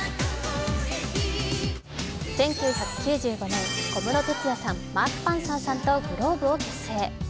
１９９５年小室哲哉さん、マーク・パンサーさんとｇｌｏｂｅを結成。